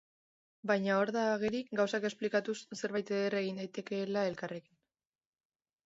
Baina hor da ageri, gauzak esplikatuz, zerbait eder egin daitekeela elkarrekin.